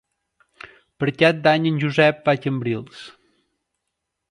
Per Cap d'Any en Josep va a Cambrils.